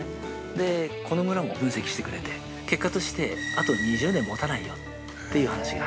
で、この村も分析してくれて結果としてあと２０年もたないよという話が。